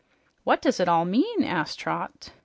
"What does it all mean?" asked Trot.